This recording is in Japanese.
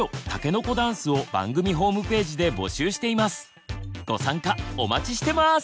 番組ではご参加お待ちしてます！